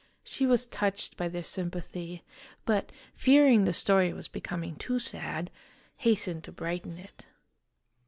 She was touched by their sympathy, but, fearing the story was becoming too sad, hastened to brighten it.